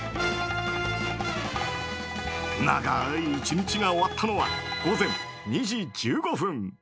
長い１日が終わったのは午前２時１５分。